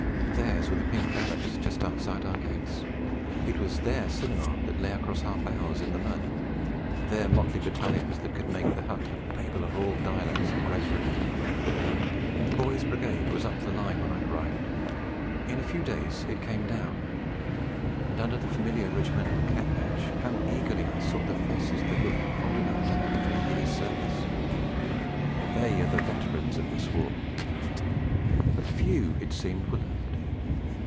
Theirs were the pink barracks just outside our gates; it was their cinema that lay across our bows in the mud; their motley Battalions that could make the hut a Babel of all the dialects in Great Britain. The boy's Brigade was up the Line when I arrived; in a few days it came down, and under the familiar regimental cap badge how eagerly I sought the faces that looked old enough to have three years' service! They are the veterans of this war; but few, it seemed, were left.